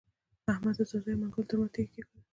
احمد د ځاځيو او منلګو تر منځ تيږه کېښوده.